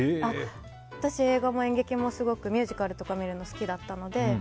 私、映画も演劇もすごくミュージカルとか見るの好きだったので。